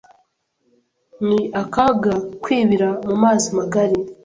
Ni akaga kwibira mu mazi magari.